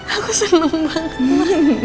aku seneng banget